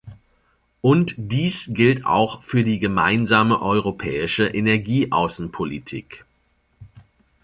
Und dies gilt auch für die gemeinsame europäische Energieaußenpolitik.